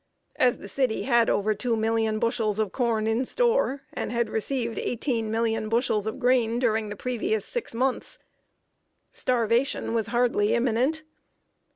As the city had over two million bushels of corn in store, and had received eighteen million bushels of grain during the previous six months, starvation was hardly imminent.